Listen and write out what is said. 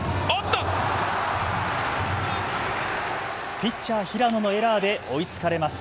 ピッチャー、平野のエラーで追いつかれます。